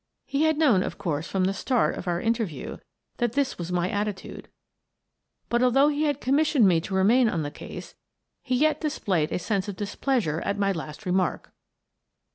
He had known, of course, from the start of our interview, that this was my attitude, but, although he had commissioned me to remain on the case, he yet displayed a sense of displeasure at my last remark.